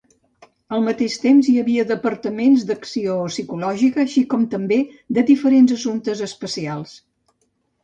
Al mateix temps hi havia departaments d'acció psicològica, així com de diferents assumptes especials.